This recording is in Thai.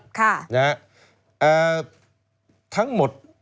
คุณนิวจดไว้หมื่นบาทต่อเดือนมีค่าเสี่ยงให้ด้วย